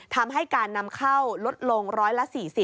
ทำให้การนำเข้าลดลงร้อยละ๔๐